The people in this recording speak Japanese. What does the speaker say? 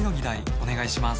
お願いします